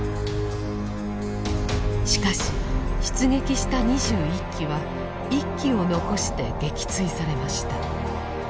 しかし出撃した２１機は１機を残して撃墜されました。